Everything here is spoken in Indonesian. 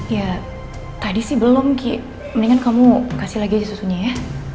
ya tadi sih belum ki mendingan kamu kasih lagi aja susunya ya